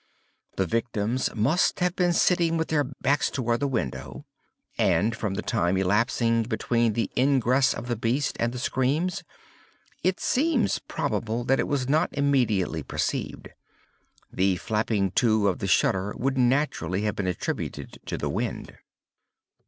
The victims must have been sitting with their backs toward the window; and, from the time elapsing between the ingress of the beast and the screams, it seems probable that it was not immediately perceived. The flapping to of the shutter would naturally have been attributed to the wind.